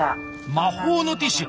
魔法のティッシュ。